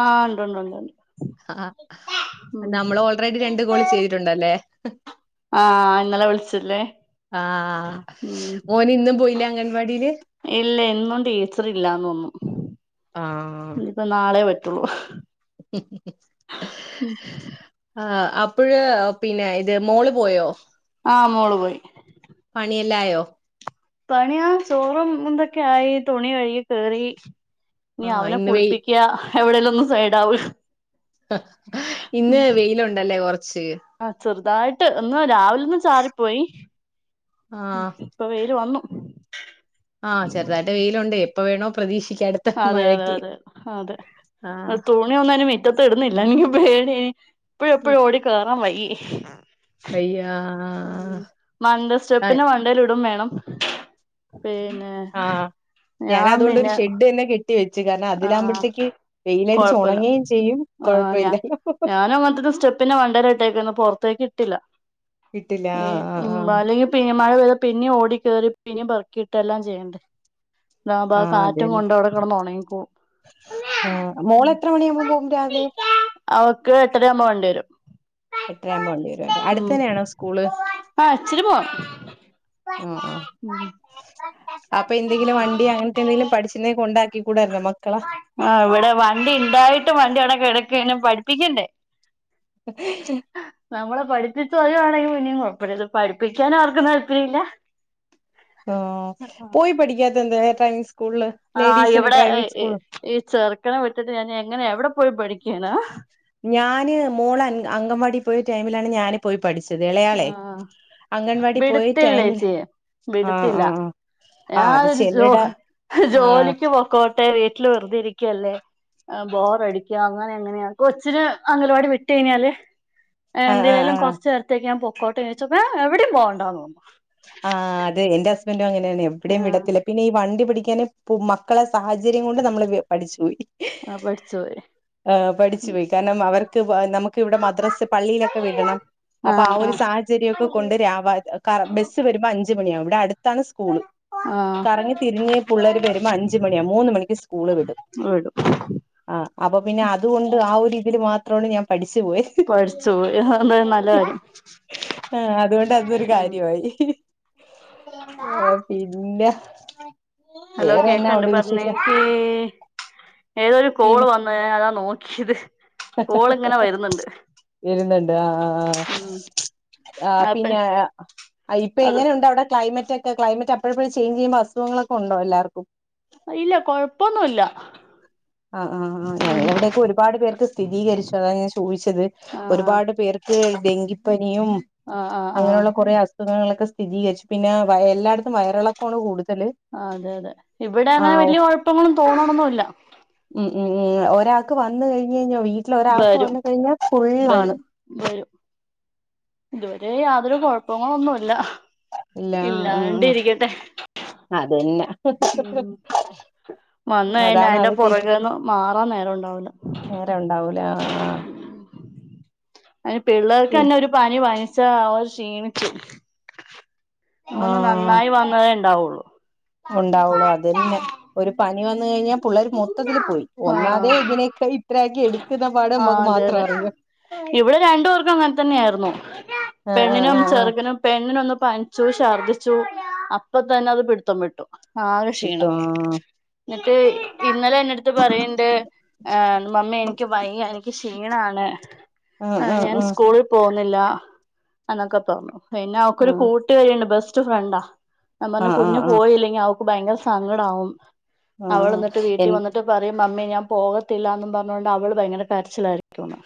ആഹ് ഉണ്ട് ഉണ്ട് ആഹ് നമ്മൾ ഓൾറെഡി രണ്ട് കോള് ചെയ്തിട്ടുണ്ടല്ലേ ആഹ് ഇന്നലെ വിളിച്ചല്ലേ ആഹ് മോൻ ഇന്നും പോയില്ല അംഗൻവാടിയില് ഇല്ല ഇന്നും ടീച്ചർ ഇല്ലാന്ന് തോന്നു ആഹ് ഇനി നാളെ പറ്റുള്ളു ആഹ് അപ്പോഴ പിന്നെ ഇത് മോള് പോയോ ആഹ് മോള് പോയി പണിയല്ലാ ആയോ പണിയാ ചോറും ഇന്തൊക്കെ ആയി തുണി കഴുകി കേറി ഇനി ആഹ് അവനെ ഇന്ന് വെയി കുളിപ്പിക്ക എവിടെലും ഒന്നും സൈഡ ആവ ഇന്ന് വെയിലുണ്ടല്ലേ കൊറച്ച് ചെറുതായിട്ട് ഇന്ന് രാവിലെന്ന് ചാറിപ്പോയി ആഹ് ഇപ്പൊ വെയല് വന്നു ആഹ് ചെറുതായിട്ട് വെയിലൽ ഉണ്ട് എപ്പൊ വേണോ പ്രതീക്ഷിക്കാ അതെ അതെ അതെ അതെ തു ആഹ് തുണി ഒന്നും മുറ്റത്തു ഇടുന്നില്ല ഇനി എനിക്ക് പേടി എപ്പഴ എപ്പോഴും ഓടി കയറാൻ വയ വയ്യാ മൺണ്ടെ സ്റ്റെപ്പിന് മൺണ്ടേൽ ഇടും വേണം പിന്നെ ഞാൻ അതുകൊണ്ടൊരു ഷെഡ് തന്നെ കെട്ടി വെച്ചു കാരണം ആഹ് അതിലാകുമ്പോഴത്തേക്ക് വെയിയിലടച്ച് കൊഴപ്പല്ല ഉണങ്ങുകയും ചെയ്യും ആഹ് ഞ കൊഴപ്പമില്ലല്ലോ ഞാനൻ ങ്ങനത്ത സ്റ്റെപ്പിനെ മണ്ടല ഇട്ടേക്കന്ന പുറത്തേക്ക് ഇട്ടില്ല [inaudible] ആഹ് ആഹ് അല്ലെങ്കിൽ പിന്ന മഴ പെയ്ത പിന്നെയും ഓടി കയറി പിന്നേ പറുക്കിയിട്ട് എല്ലാം ചെയ്യണ്ടേ താകുമ്പോ ആഹ് ആ ആഹ് കാറ്റും അതന്നെ കൊണ്ട അവിടെ കിടന്ന് ഉണങ്ങിക്കോ ആഹ് മോള് എത്ര മണിയാവുമ്പോ പോകും രാവിലെ അവക്ക് എട്ടര ആവുബോ വണ്ടി വരും എട്ടരവുബോ വണ്ടി വരും ഉം അടുത്തന്നെയാണോ സ്കൂള് ആഹ് ഇചിരി പോണം ആ ആ ഉം അപ്പൊ എന്തെങ്കിലും വണ്ടി അങ്ങനത്തെ എന്തെങ്കിലും പഠിച്ച്നാകില് കൊണ്ടാക്കി കൂടാരുന്നോ മക്കളാ ആഹ് ഇവിടെ വണ്ടി ഉണ്ടായിട്ടും വണ്ടി അവിടെ കിടകെണ് പഠിപ്പിക്കണ്ടേ [inaudible] നമ്മളെ പഠിപ്പിച്ചിട്ട് തരുവാണെങ്കിൽ പിന്നെ കുഴപ്പല്ല പഠിപ്പിക്കാന് ആർക്കും താല്പര്യം ഇല്ല ആഹ് പോയി പഠിക്കാത്ത എന്ത ട്രൈവിങ് സ്കൂളില് ആഹ് ലേഡീസിന്റെ ഇവിടെ ഡ്രൈവിംഗ് സ്കൂള് ഈ ചെറുക്കണ വിട്ടിട്ട് ഞാൻ എങ്ങനെ എവിടെ പോയി പഠിക്കാന ഞാന് മോള അങ്കൻവാടി പോയ ടൈമിലാണ് ഞാൻ പോയി പഠിച്ചത് ഇളയാളെ ആ അംഗൻവാടി പോയി വിടത്തില്ല ടൈമിൽ ചേച്ചി ആഹ് വിടത്തില്ല ആഹ് ഞാനൊരു ആ ജോലിക്ക് പോക്കോട്ടെ വീട്ടിൽ വെറുതെ ഇരിക്കല്ലേ ബോറടിക്കുക അങ്ങനെ എങ്ങനെയ കൊച്ചിന് അംഗലവാടി വിട്ട് കഴിഞ്ഞാല് ആ ആ ആ എന്തിനെങ്കിലും കുറച്ച് നേരത്തേക്ക് ഞാൻ പൊക്കോട്ട ചോയിച്ചപ്പോ എഹ് എവിടെയും പോണ്ടന്ന് പറഞ്ഞു ആഹ് അത് എന്റെ ഹസ്ബന്ഡും അങ്ങനെയാണ് എവിടെയും പറഞ്ഞു വിടത്തില്ല പിന്നെ ഈ വണ്ടി പിടിക്കാനൻ മക്കള സാഹചര്യം കൊണ്ട് നമ്മള് പഠിച്ചുപോയി ആ പഠിച്ചു പോയി ആഹ് പഠിച്ചു ഉം പോയി കാരണം അവർക്ക് നമുക്ക് ഇവിടെ മദ്രസ്സ് പള്ളിയിലൊക്കെ വിടണം ആഹ് അപ്പൊ ആ ഒരു ആഹ് സാഹചര്യക്കെ കൊണ്ട് രാവ ബസ് വരുമ്പോ അഞ്ച് മണിയാവും ഇവിടെ അടുത്താണ് സ്കൂള് ആഹ് കറങ്ങി തിരിഞ് പിള്ളര് വരുമ്പോ അഞ്ച് മണിയാവും മൂന്ന് മണിക്ക് സ്കൂള് വിടും വീടും ആഹ് അപ്പൊ പിന്നെ അതുണ്ട് ആ ഒരു ഇതില് മാത്രാണ് ഞാൻ പഠിച്ച് പോ പഠിച്ചു പോയി അത് നല്ലകാര്യം. ആഹ് അതൊണ്ട് അതൊരു കാര്യൊയി. ആഹ് പിന്നെ ഹലോ വേറെ എന്നാ കേക്കണ്ട് ഉണ്ട് പറഞ്ഞേ വിശേഷം ക്കേ ഏതൊരു കോള് വന്ന് ഞാനതാ നോക്ക്യത്. വെര്ന്ന്ണ്ട് ആഹ് ആഹ് ആഹ് ആഹ് ഉം ആഹ് ആപ്പ പിന്നെ ആഹ് ഇപ്പൊ അത് എങ്ങനെയുണ്ട് അവടെ ക്ലൈമറ്റൊക്കെ ക്ലൈമറ്റ് അപ്പഴത്തെക്ക് ചേഞ്ച് ചെയ്യു [unintelligible] അസുഖങ്ങളൊക്കെണ്ടോ എല്ലാർക്കും ഇല്ല കൊഴപ്പൊന്നുല്ല ആഹ് ആഹ് ഞങ്ങളെവടെക്കെ ഒരുപാട് പേർക്ക് സ്ഥിരീകരിച്ചു അതാണ് ഞാൻ ചോയ്ച്ചത് ആഹ് ഒരുപാട് പേർ ക്ക് ഡെങ്കിപ്പനിയും ആഹ് ആഹ് ആഹ് അങ്ങനെയുള്ള കൊറെ അസ് സുഖങ്ങളൊക്കെ സ്ഥിരീകരിച്ചു പിന്നെ വയ എല്ലായിടത്തും വയറിളക്ക്വാണ് കൂടുതല് ആഹ് അതെ യതെ ഇവടെ അങ്ങനെ ആഹ് വെല്ല്യെ കൊഴപ്പങ്ങളും തോന്നണൊന്നുല്ല. ഉം ഉം ഉം ഒരാക്ക് വന്ന് കഴിഞ്ഞഴിഞ്ഞ വീട്ടില് ഒരാൾക്ക് വന്ന് കഴിഞ്ഞാ ഫുള്ളാണ്. തെരെ ഇതുവരെ യാതൊരു കൊഴപ്പങ്ങളൊന്നുല്ല. ഇല്ലാണ്ടിരിക്കട്ടെ. അതെന്നെ ഉം വന്നയ്ഞ്ഞ അതാണ് അയ്ന്റെ അത് കേ പൊറകേന്ന് മാറാൻ നേരോണ്ടാവില്ല. നേരം ഉണ്ടാവൂല ആഹ് ആഹ്. അയ്ന് ആഹ് പിള്ളേർക്കെന്നെ ഒരു പനി പനിച്ചാ അവർ ക്ഷീണിച്ചു. ഒന്ന് നന്നായി വന്നതേ ണ്ടാവൊള്ളു. ഉണ്ടാവൊള്ളൂ അതെന്നെ ഒരു പനി വന്ന് കഴിഞ്ഞാ പുള്ളാര് മൊത്തത്തില് പോയി ഒന്നാമതെ ആഹ് ഇതിനെക്കെ ഇത്രക്കി എട് ക്ക്ന്ന പാട് അമ്മക്ക് മാത്രേ അറിയൂ. ഇവടെ രണ്ട് പേർക്കും അങ്ങൻതന്നായിരുന്നു ആ ആ പെണ്ണിനും ആ ആ ചെർക്കനും പെണ്ണിനൊന്ന് പനിച്ചു ശർദിച്ചു അപ്പതെന്നത് പിടിത്തം വിട്ടു ആകെ ക്ഷീണം. ഇട്ടോ ന്നിട്ട് ഇന്നലെ എന്നെട്ത്ത് പറീണ്ട് ഏഹ് മമ്മി എനിക്ക് വയ്യ എനിക്ക് ക്ഷീണാണ്. ഉം ഉം ഉം പോന്നില്ല എന്നൊക്കെ പർഞ്ഞു. പിന്നെ അവക്കൊരു കൂട്ടുകാരിണ്ട് ബെസ്റ്റ് ഫ്രണ്ടാ. ഞാം ആ ആ പർഞ്ഞു കുഞ്ഞ് ആ പോയില്ലെങ്കി അവക്ക് ഭയങ്കര സങ്കടാകും ആ അവളന്നിട്ട് എ വീട്ടി വന്നി ട്ട് പറിം മമ്മി ഞാൻ പോവത്തില്ലന്നും പർഞ്ഞോണ്ട് അവള് ഭയങ്കര കരച്ചിലായിരിക്കുന്ന്.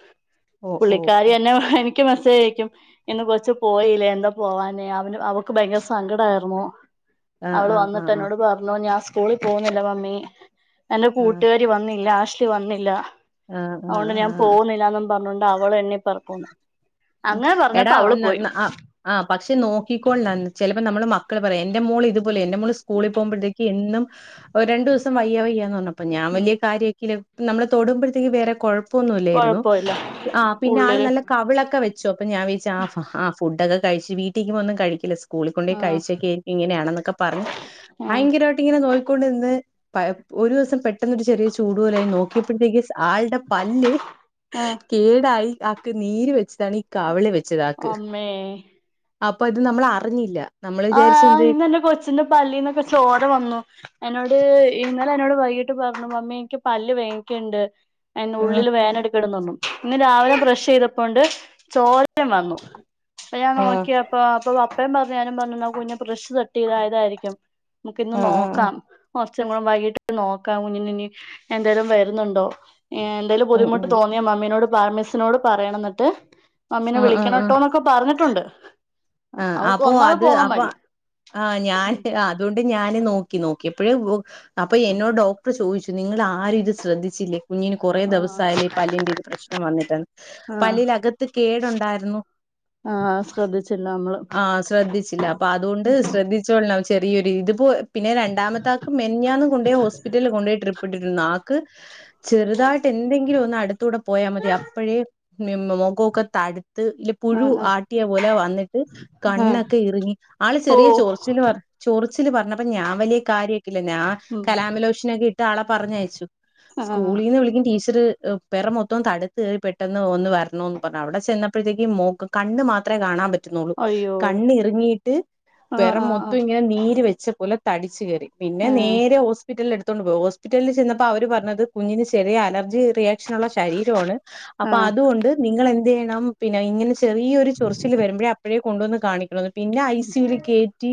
ഓ ഓ പുള്ളിക്കാരി ഓ എന്നെ എനിക്ക് മെസ്സേജയക്കും. ഇന്ന് കൊച്ച് പോയില്ലേ എന്താ പോവാഞേ അവന് അവക്ക് ഭയങ്കര സങ്കടായിര്ന്നു. ആ അവള് ആ ആ വന്ന്ട്ട് ആ എന്നോട് പർഞ്ഞു ഞാൻ സ്കൂളിൽ പോവുന്നില്ല മമ്മി എന്റെ ആ കൂട്ടുകാര് രി വന്നില്ല ആഷ്‌ലി വന്നില്ല ആ അഓണ്ട് ഞാം ആ പോന്നില്ലാന്നും പർഞ്ഞോണ്ട് അവളെന്നെ പറക്കൂന്ന് അങ്ങനെ പർഞ്ഞപ്പോ അവള് പോയി. ആഹ് പക്ഷെ നോക്കിക്കോളൻ ന്നൻ ചെലപ്പോ നമ്മള് മക്കള് പറയാ എൻ്റെ മോള് ഇത് പോലെ എന്റെ മോള് ഉം സ്കൂളി പോവുമ്പഴത്തേക്ക് എന്നും ഒ രണ്ടൂസം വയ്യ വയ്യ ന്ന് പർഞ്ഞ പ്പൊ ഞാം ഉം വെല്ല്യ കാര്യക്കില്ല നമ്മള് തൊടുമ്പഴത്തേക്ക് വേറെ കൊഴ് പ്പൊന്നുല്ലേര്ന്നു കൊഴപ്പമില്ല ആഹ് പിന്നെ ആള് ഉള്ളില് നല്ല കവിളൊക്കെ വെ ച്ചു അപ്പോ ഞാൻ വിച്ചു ആ ആ ഫു ഡൊക്കെ കഴിച്ച് വീട്ടീക്കുമോ ഒന്നും കഴിക്കില്ല സ്ക്കൂളി കൊണ്ടോയ് ആഹ് കഴിച്ചൊക്കെയ് ഇങ്ങനെയാണെന്നൊക്കെ പർഞ്ഞ് ആഹ് ഭയങ്കരയിട്ട് ഇങ്ങനെ നോക്കിക്കോണ്ട് നിന്ന് പ ഒരോസം പെട്ടെന്നൊരു ചെറിയ ചൂടു പോലായി നോക്കിയപ്പഴത്തേക്ക് ആൾടെ പല്ല് ആഹ് കേടായി ആക്ക് നീര് വെച്ചതാണ് ഈ കവ്ള് വെ ച്ചതാക്ക് അമ്മേ അപ്പൊ ഇത് നമ്മളറിഞ്ഞില്ല. ആഹ് ഇന്നെന്റെ കൊച്ചിന്റെ പല്ലീന്നൊക്കെ ചോര വന്നു. എന്നോട് ഇന്നലെ എന്നോട് വൈകീട്ട് പർഞ്ഞു മമ്മീ ൻക്കി പല്ല് വേങ്ങിക്ണ്ട്. അയ്ന് ആ ഉള്ളില് വേനെട്ക്ക്ണ്ട്ന്നർഞ്ഞു ഇന്ന് രാവിലെ ബ്രഷെയ്തപ്പോണ്ട് ചോരേം വന്നു അപ്പ ഞാൻ ആ നോക്കിയ അപ്പ അപ്പൊ അപ്പയും പർഞ്ഞു ഞാനും പർഞ്ഞു ന്നാ കുഞ്ഞ് ബ്രെഷ് തട്ടിയതാ യതായിരിക്കും മുക്ക് ഇന്ന് ആ ആ ആ നോക്കാം കൊറച്ചും കൂടെ വൈകിട്ട് നോക്കാം കുഞ്ഞിന് ഇനി എന്തേലും വെര്ന്ന്ണ്ടോ ഏഹ് എന്തേലും ബുദ്ധിമുട്ട് തോന്ന് ഞാ മമ്മിനോട് പർ മിസ്സ്നോട് പറയണം ന്ന്ട്ട് മമ്മിനെ ആ ആ വിളിക്കണംട്ടൊന്നൊക്കെ പറഞ്ഞിട്ടുണ്ട് ആഹ് അവക്ക് അപ്പോ ഒന്നാമത് അത് പോകാൻ അപ്പൊ മടിയാ ആഹ് ഞാൻ ആ തോണ്ട് ഞാന് നോക്കി നോക്കിയപ്പഴ് വോ അപ്പൊ എന്നോട് ഡോക്ടർ ചോയ്ച്ചു നിങ്ങൾ ആരും ഇത് ശ്രദ്ധിച്ചില്ലേ കുഞ്ഞിന് കൊറേ ആഹ് ദിവസായാല്ലോ ഈ പല്ലിന്റെ ഇത് പ്രശ്നം വന്നിട്ടെന്ന് ആഹ് പല്ലിലകത്ത് കേടുണ്ടായ്ര്ന്നു ആഹ് ശ്രെദ്ധിച്ചില്ല നമ്മള് ആഹ് ശ്രെദ്ധിച്ചില്ല അപ്പൊ അതോണ്ട് ശ്രദ്ധിച്ചോൾണം ചെറിയൊരു ഇത് പോ പിന്നെ രണ്ടാമത്തെ ആക്ക് മെനെഞ്ഞാന്ന് കൊണ്ടോയി ഹോസ്പിറ്റൽല് കൊണ്ടോയി ട്രിപ്പ് ഇട്ടിരുന്നു ആക്ക് ചെർതായിട്ട് എന്തെങ്കിലും ഒന്ന് അട്ത്തൂടെ പോയാ മതി അപ്പഴേ മും മുഖാെക്കെ തട്ത്ത് ല് പുഴു ആഹ് ആഹ് ആട്ടിയ പോലെ വന്നി ആഹ് കണ്ണൊക്കെ ഇറ്ങ്ങി ആള് ഓ ചെറിയ ചൊറ്ച്ചില് പ ചൊറിച്ചില് പറഞ്ഞപ്പം ഞാൻ വലിയ കാര്യക്കില്ല ഞാ ഉം കലാമിലോഷനൊക്കെ ഇട്ട് ആളെ പറഞ്ഞയച്ചു ആഹ് സ്കൂളിന്ന് വിളിക്കും ടീച്ചറ് പെറം മൊത്തോം തട്ത്ത് പെട്ടെന്ന് ഒന്ന് വരണാേന്നും പർഞ്ഞ് അവിടെ ചെന്നപ്പെഴ്ത്തേക്ക് മോക് കണ്ണ് മാത്രെ കാണാം പ റ്റുന്നൊള്ളു അയ്യോ കണ്ണിർങ്ങിയിട്ട് ആഹ് പെറം ആഹ് മൊത്തും ആഹ് ഇങ്ങെനെ നീര് വെച്ച പോലെ തടിച്ച് കേറി പിന്നെ ആഹ് നേരെ ഹോസ്പിറ്റൽല് എട്ത്തോണ്ട് പോയി ഹോസ്പിറ്റൽല് ചെന്നപ്പോ അവര് പർഞ്ഞത് കുഞ്ഞിന് ചെറിയ അലർജി റിയ ക്ഷൻ ഉള്ള ശരീരവാണ് അപ്പൊ ആഹ് അതുകൊണ്ട് നിങ്ങളെന്തെയ്യെണം പിന്നെ ഇങ്ങെനെ ചെറിയൊര് ചൊറിച്ചില് വരുമ്പഴേ അപ്പെഴേ കൊണ്ടുവന്ന് കാണിക്കണംന്ന് പിന്നെ ഐ സി യുല് കേറ്റി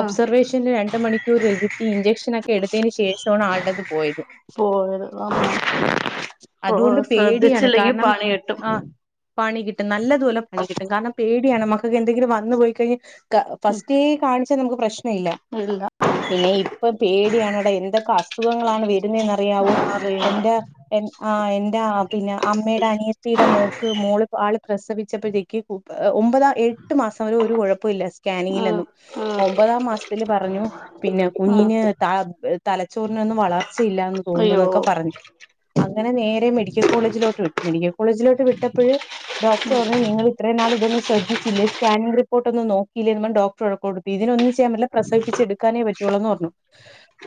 ആഹ് രണ്ട് മണിക്കൂറ് ഇര്ത്തി ഇഞ്ചക്ഷ നെക്കെ എട്ത്തേന് ശേഷാണ് ആള്ടെത് പോയത് പോയത് അമ്മോ ഓ അത്കൊണ്ട് പേടിയാണ് ശ്രദ്ധിച്ചില്ലെങ്കി കാരണം പണി കിട്ടും ആഹ് പണി കിട്ടും നല്ലത് പോലെ പണി കിട്ടും കാരണം പേടിയാണ് മക്കക്ക് എന്തെങ്കിലും വന്നു പോയി കഴിഞ്ഞാ ക ഉം ഫസ്റ്റേ കാണിച്ചാ നമുക്ക് പ്രശ്ന ഇല്ല പിന്നെ ഇപ്പം പേടിയാണെട എന്തെക്കെ അസുഖങ്ങളാണ് വരുന്നേന്നറിയാവോ അറിയില്ല എന്റെ എൻ ആഹ് എന്റാ പിന്നെ അമ്മേടെ അനിയത്തീടെ മോക്ക് മോള് ആള് പ്രസവിച്ചപ്പഴ്ത്തേക്ക് ഒമ്പത എട്ട് മാസം വരെ ഒരു കൊഴപ്പാെല്ല ഉം സ്കാനിങ്ങിലെന്നും ഉം ഒമ്പതാം മാസ്ത്തില് പറഞ്ഞു പിന്നെ ഉം കുഞ്ഞിന് ത തലച്ചോറിനൊന്നും വളർ ച്ച ഇല്ലാന്ന് അയ്യോ തോന്നുന്നൊക്കെ പറഞ്ഞു അങ്ങെനെ നേരെ മെഡിക്കൽ കോളേജിലോട്ട് വിട്ടു മെഡിക്കൽ കോളേജിലോട്ട് വിട്ടപ്പഴ് ഡോക്ടർ പറഞ്ഞു നിങ്ങൾ ഇത്രയും നാൾ ഇതൊന്നും ശ്രദ്ധിച്ചില്ലേ സ്കാനിംഗ് റിപ്പോട്ടൊന്നും നോക്കിയില്ലേന്നും പർഞ്ഞ് ഡോക്ടറ് വഴക്കാെട്ത്ത് ഇതിനൊന്ന് ചെയ്യാൻ പറ്റില്ല പ്രസവിപ്പിച്ചെട്ക്കാനേ പറ്റാെള്ളൂന്ന് പർഞ്ഞു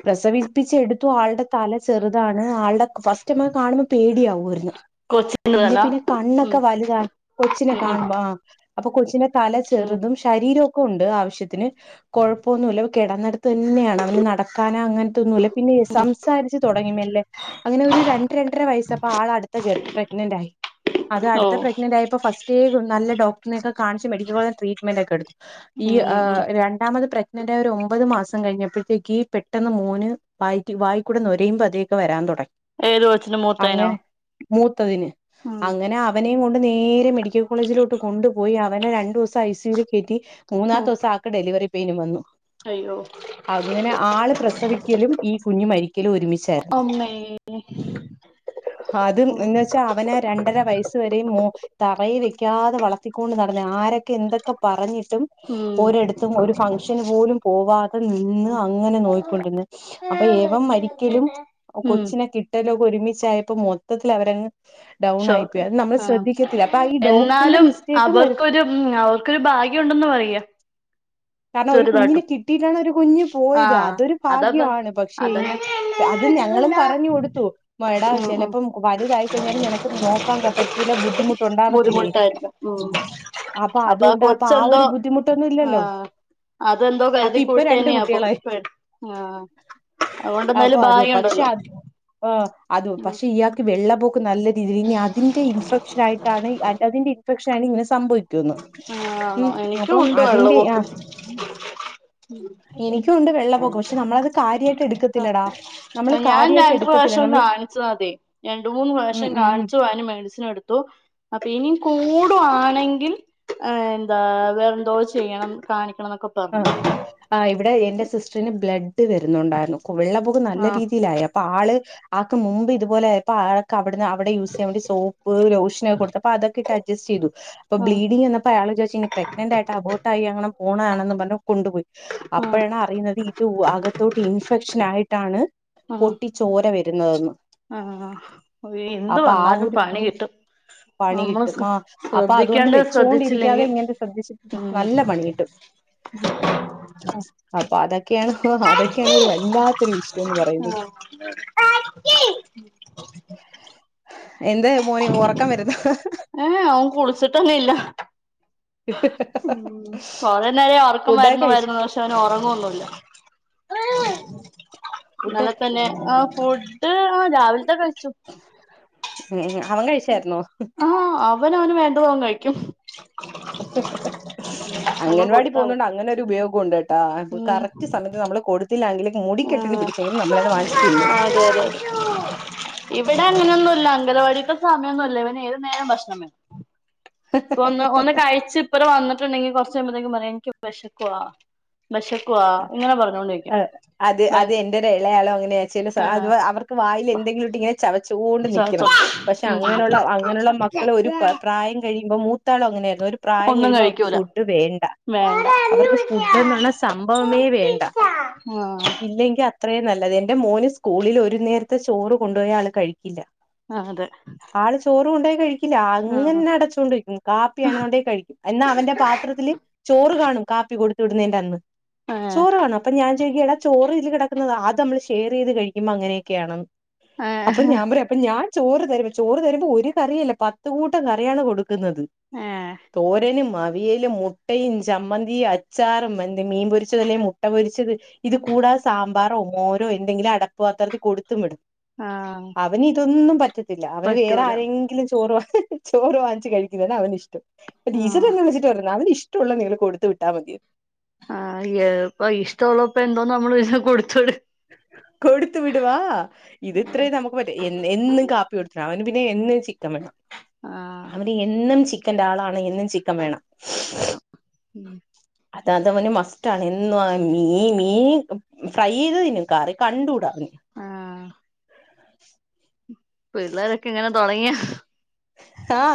പ്രസവിപ്പിച്ച് എട്ത്തു ആൾടെ തല ചെറ്താണ് ആൾടെ ഫസ്റ്റമ്മക്ക് കാണ്‌മ്പ പേടിയാവു ആയിര്ന്ന് കൊച്ചിന് പിന്നെ തല പിന്നെ ഉം കണ്ണൊക്കെ വലുതാ കൊച്ചിനെ ഉം ഉം കാണുമ്പോ ആഹ് അപ്പൊ കൊച്ചിനെ തല ഉം ചെറ്തും ശരീരവൊക്കെ ഉണ്ട് ആവശ്യത്തിന് കൊഴപ്പവൊന്നുല്ല കിടന്നെടെത്ത് തന്നെയാണ് അവന് നടക്കാനോ അങ്ങൻത്തൊന്നുല്ലാ പിന്നെ സംസാരിച്ച് തൊടെങ്ങി മെല്ലേ അങ്ങനെ ഒര് രണ്ട് രണ്ടെര വയസ്സ് അപ്പ ആളട്ത്തെ ഗർ പ്രഗ്നന്റായി അത് ഓ അട്ത്ത പ്രഗ്നന്റായപ്പോ ഫസ്റ്റേ നല്ല ഡോക്ടറിനൊക്കെ കാണ് [unintelligible] പോലെ ട്രീറ്റ്മെന്റാെക്കെയെട്ത്തു ഈ ഉം ഉം ഉം ആഹ് രണ്ടാമത് പ്രഗ്നന്റായ് ഒര് ഒമ്പത് മാസം കഴിഞ്ഞപ്പഴ്ത്തേക്കീ പെട്ടെന്ന് മോന് വായി വായിക്കൂടെ നുരയും പതയൊക്കെ വരാൻ താെടെ ഏത് കൊച്ചിന് മൂത്തേനോ അങ്ങെനെ മൂത്തതിന് ഉം അങ്ങെനെ അ വനേയും കൊണ്ട് നേരെ മെഡിക്കൽ കോളേജിലോട്ട് കൊണ്ടുപോയി അവനെ രണ്ടൂസം ഐസുവിയിൽ കേറ്റി മൂന്നാമത്തെ ഉം ദിവസം ആക്ക് ഡെലിവെറി പെയിനും വന്നു അയ്യോ അങ്ങനെ ആള് പ്രസവിക്കലും ഈ കുഞ്ഞു മരിക്കലും ഒരുമിച്ചായിരുന്നു. ഉ [inaudible] അതും എന്നുവെച്ചാ അവനെ രണ്ടര വയസ്സുവരെ മോ തറയിൽ വയ്ക്കാതെ വളർത്തി കൊണ്ട് നട ആരൊക്കെ എന്തൊക്കെ പറഞ്ഞിട്ടും ഉം ഒരിടത്തും ഒരു ഫങ്ഷന് പോലും പോവാതെ നിന്ന് ഉം അങ്ങനെ നോയിക്കൊണ്ടിരുന്നു അപ്പൊ ഏവം മരിക്കലും ഉം കൊച്ചിനെ കിട്ടലൊക്കെ ഒരുമിച്ചായപ്പോ മൊത്തത്തിൽ അവരങ്ങു ഡൗൺ ആയി ഷോക്ക് പോയി അത് നമ്മൾ ആ ശ്രദ്ധിക്കത്തില്ല അപ്പ ഈ ഡോക്ടറിന്റെ എന്നാലും മിസ്റ്റേക്കും വര അവർക്കൊരു ഉം അവർക്കൊരു ഭാഗ്യം ഉണ്ടെന്ന് പറയാ കാരണം ഒരു കുഞ്ഞിനെ ചെറുതായിട്ടും കിട്ടിയിട്ടാണ് ഒരു കുഞ്ഞ് പോയത് ആഹ് അതൊരു അതത് ഭാഗ്യമാണ് പക്ഷെ അതന്നെ എങ്കി അത് ഞങ്ങളും പറഞ്ഞു കൊടുത്തു എടാ ഉം ഉം ചിലപ്പോം വലുതായിക്കഴിഞ്ഞാലും നിനക്ക് നോക്കാൻ ക പറ്റുള്ള ബുദ്ധിമുട്ടുണ്ടാവത്തില്ലേ ബുദ്ധിമുട്ടായിരുന്നു ഉം അപ്പൊ അതുകൊണ്ട് അപ്പൊ ആ ഒരു ബുദ്ധിമുട്ടൊന്നും ഇല്ലല്ലോ ആഹ് അതെന്തോ കരുതി ആക്ക് ഇപ്പൊ രണ്ട് കൂട്ടിന്നെയാപ്പൊ കുട്ടികളായി ആ അപ്പൊ അതുകൊണ്ടന്താലും അത് പക്ഷെ ഭാഗ്യയുണ്ടല്ലോ അത് ആഹ് അത് പക്ഷെ ഇയാകു വെള്ള ബോ നല്ല രീതിയി ഇനി അതിന്റെ ഇൻഫെക്ഷൻ ആയിട്ടാണ് അതിന്റെ ഇൻഫെക്ഷൻ ആണ് ഇങ്ങനെ സംഭവിച്ചത് ആഹ് ഉ ആണോ എനിക്കും അപ്പം ഉണ്ട് അതിന്റെ ആ വെള്ളപൊക്ക് എനിക്കുണ്ട് വെള്ള പോക്ക് പക്ഷെ നമ്മളത് കാര്യമായിട്ട് എടുക്കത്തില്ലടാ ആ നമ്മള് ഞാൻ കാര്യായിട്ട് രണ്ട എടുക്കത്തില്ല പ്രവിഷം നമ്മൾ കാണിച്ചത് അതെ രണ്ട മൂന്ന് ഉം വർഷം ഉം ഉം കാണിച്ചു മെഡിസിൻ എടുത്തു അപ്പൊ ഇനിയും കൂടുവാണെങ്കിൽ എന്താ വേറെന്തോ ചെയ്യണം കാണിക്കണൊന്നൊക്കെ പറഞ്ഞു ആ ഇവിടെ എൻന്റെറെ സിസ്റ്ററിന് ബ്ലഡ് വരുന്നുണ്ടായിരുന്നു വെള്ളപോക്ക് നല്ല ആഹ് രീതിയിലായി ആള് ആക്ക് മുമ്പ് ഇതുപോലെയായപ്പോ അവിടുന്ന്വിടെ യൂസ് ചെയ്യാൻ വേണ്ടി സോപ്പ്ലോ ഷനൊക്ക കൊടുട്ടപ്പോ അതൊക്കെ ഇട്ട് അ്ജസ്റ്റ് ചെയ്തു അപ്പൊ ആഹ് ബ്ലീഡിങ് വന്നാപ്പോയാ അയാള് വിചാരിച്ചു ഇനി പ്രഗ്നന്റ് ആയി്ട്ട് അബോട്ടായി അങ്ങെ പോണെന്ന് പറഞ്ഞു കൊണ്ടു പോയി. അപ്പോഴാണ് അറിയുന്നത് ഇത് അകത്തോട്ട് ഇൻഫെക്ഷൻ ആയിട്ടാണ് പൊട്ടി ചോര വരുന്നതെന്ന്. ആഹഹ് എന്ത് അപ്പൊ ആ വന്നാലും ഒരു പണി കിട്ടും. പണി നമ്മള് കിട്ടും ആഹ് അപ്പൊ അതുകൊണ്ട് ശ്രദ്ധിക്കേണ്ടത് വെച്ചോണ്ടിരിക്കാതെ ശ്രദ്ധിച്ചില്ലെങ്കിൽ ഇങ്ങനെ ശ്രദ്ധിച്ചിട്ട് ഉ നല്ല പണി കിട്ടും [unintelligible] അപ്പൊ അതൊക്കെയാണ് അതൊക്കെയാണ് ഒരു വല്ലാത്തൊരു വിഷയംന്ന് പറയുന്നത്. എന്ത്‌ മോനി ഉറക്കം വരുന്നോ ഏ ഓൻ കുളിച്ചിട്ടൊന്നും ഇല്ല. ഉ പോരേ നേരം ഫുഡൊക്കെ ഉറക്കവരുന്നു കഴിച്ചു വരുന്നു ഓന് ഉറങ്ങൊന്നുല്ല ഇ ഫുഡ് ന്നലെതന്നെ ആ ഫുഡ് രാവിലത്തെ കഴിച്ചു ഉം അവൻ കഴിച്ചായിരുന്നോ? ആഹ് അവന അവന് വേണ്ടതവൻ കഴിക്കും [inaudible] നമ്മള് അംഗൻവാടി കൊടുത്താ പോകുന്നോണ്ട് മതി അങ്ങനെരു ഉപയോഗ ണ്ട് കേട്ടാ ഉം കറക്റ്റ് സമയത്ത് നമ്മള് കൊടു- ങ്കില മുട കെട്ടിന് ആഹ് പിടിച്ചെങ്കിലും നമ്മളെ ന്ന് വാങ്ങിച്ചു തിന്നും അതെ അതെ അതെ ഇവിടെ അങ്ങനെയൊന്നുല്ല അംഗലവാടിത്തെ സമയമൊന്നുല്ല ഇവന് ഏത് നേരം ഭക്ഷണം വേണം ഇപ്പൊ ഒന്ന് ഒന്ന് കഴിച്ച് ഇപ്പറ വന്നിട്ടുണ്ടെങ്കി കുറച് കഴിയുമ്പഴത്തേക്കും പറയാ എനിക്ക് വിശക്കുവാ വിശക്കുവാ ഇങ്ങനെ പറഞ്ഞൊണ്ടിരിക്കും. അത് അത് എന്റെ ഒരു ഇളയാളും അങ്ങനെയാ ചില ആഹ് അവർക്ക് വായിൽ എന്തെങ്കിലും ഇട്ട് ഇങ്ങനെ ചത - ചോണ്ട് നിക്കണം പക്ഷെ ഉം അങ്ങനുള്ള അങ്ങനെയുള്ള മക്കള് ഒരു പ്രായം കഴിയുമ്പോ ത്താണോ അങ്ങനെയായിരുന്നു ഒരു പ്രായം ഒന്നും കഴിയുമ്പോ അവർക്ക് കഴിക്കൂല ഫുഡ് വേണ്ട വേണ്ട അവർക്ക് ഫുഡ്ന്ന് പറഞ്ഞ സം - ഒമേ വേണ്ട ഇല്ലെങ്കി അത്രേം നല്ലത് എന്റെ മോന് സ്കൂളില് ഒരു നേരത്തെ ചോറ് കൊണ്ടോയാ ആള് കഴിക്കില്ല ആഹ് അതെ ആള് ചോറ് കൊണ്ടോയ കഴിക്കില്ല ആഹ് അങ്ങനെ അടച്ചോണ്ട് വെയ്ക്കും കാപ്പിയാണൊന്നൊണ്ടെങ്കി കഴിക്കും എന്നാ അവന്റെ പാത്രത്തില് ചോറ് കാണും കാപ്പി കൊടുത്ത വിടുന്നേന്റന്ന് ഏഹ് ചോറു വേണം അപ്പൊ ഞാൻ ചോയ്ക്കും എടാ ചോറ് ഇതില് കെടക്കുന്നതാ അതമ്മള് ഷെയറെയ്ത് കഴിക്കുമ്പ അങ്ങനെയെക്കെയാണെന്ന് അപ്പം ഏഹ് ഞാം പറിം അപ്പൊ ഞാൻ ചോറ് തരുമ്പോ ചോറ് തരുമ്പോ ഒരു കറിയല്ല പത്ത് കൂട്ടം കറിയാണ് കൊടുക്കു ന്നത് ഏഹ് തോരനും അ വിയല്, മുട്ടയും, ചമ്മന്തിയും, അച്ചാറും, എന്ത മീൻ പൊരിച്ചത് അല്ലേ മുട്ട പൊരിച്ചത് ഇത് കൂടാതെ സാമ്പാറോ, മോരോ, എന്തെങ്കിലും അടപ്പുപാത്രത്തില് കൊടുത്തും വിടും ആഹ് അവനിതൊന്നും പറ്റത്തില്ല അവന് വേറെ പറ്റൂല ആരെങ്കിലും ചോറ് വാങ്ങി വാങ്ങിച്ച് കഴിക്ക്ന്നെതാ അവനിഷ്ടം പ്പൊ ആഹ് ടീച്ചറ് എന്നെ വിളിച്ചിട്ട് പറഞ്ഞു അവനിഷ്ടവൊള്ളെ നിങ്ങള് കൊടുത്ത് വിട്ടാ മതിയെന്ന് ആഹ് യോ ഇപ്പൊ ഇഷ്ടവൊള്ളെപ്പോ എന്തോന്ന് നമ്മള് കൊടുത്ത് വിടാ കൊടുത്ത് വിടു ആ ഇത് ഇത്രയും നമുക്ക് പറ്റു എന്നും കാപ്പി കൊടുത്തണം അവന് പിന്നെ എന്നും ചിക്ക വേണം ആ അവന് യെന്നും ചിക്കന്റെ ആളാണ് എന്നും ചിക്കൻ വേണം മ് അത അതവന് മസ്റ്റാണ് എന്നും മീ മീ ഫ്രൈയെയ്തത് തിന്നും കറി കണ്ടുടാ അവന് ആ [inaudible] പിള്ളേരൊക്കെങ്ങനെ തൊടങ്ങിയാ ആഹ്